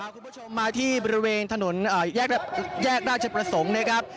คุณผู้ชมมาที่บริเวณถนนแยกราชประสงค์นะครับ